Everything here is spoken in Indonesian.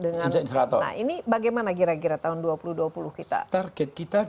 nah ini bagaimana kira kira tahun dua ribu dua puluh kita